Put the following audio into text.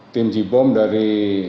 tim jibom dari